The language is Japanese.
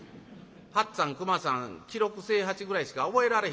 八っつぁん熊さん喜六清八ぐらいしか覚えられへんねや」。